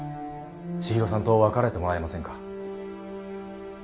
千尋さんと別れてもらえませんか？